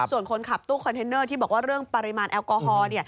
ส่วนคนขับตู้คอนเทนเนอร์ที่บอกว่าเรื่องปริมาณแอลกอฮอล์